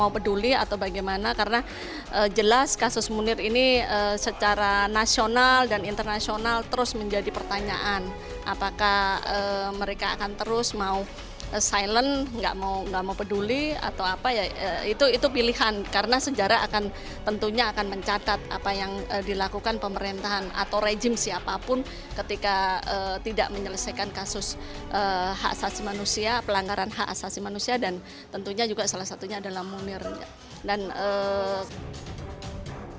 pemerintahan atau rejim siapapun ketika tidak menyelesaikan kasus hak asasi manusia pelanggaran hak asasi manusia dan tentunya juga salah satunya adalah munir